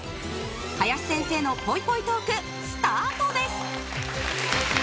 林先生のぽいぽいトークスタートです！